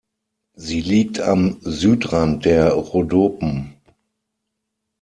Sie liegt am Südrand der Rhodopen.